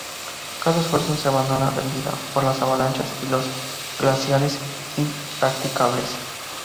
Cada esfuerzo se abandonaba rendida por las avalanchas y los glaciares impracticables.